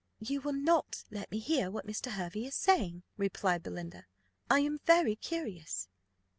"You will not let me hear what Mr. Hervey is saying," replied Belinda; "I am very curious."